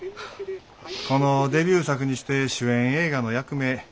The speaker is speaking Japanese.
このデビュー作にして主演映画の役名